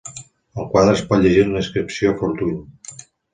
Al quadre es pot llegir la inscripció Fortuny.